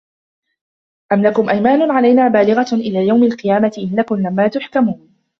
أَم لَكُم أَيمانٌ عَلَينا بالِغَةٌ إِلى يَومِ القِيامَةِ إِنَّ لَكُم لَما تَحكُمونَ